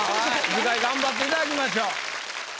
次回頑張っていただきましょう。